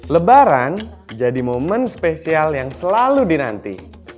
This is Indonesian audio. lebaran jadi momen spesial yang selalu dinanti